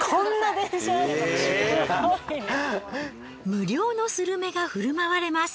無料のスルメが振る舞われます。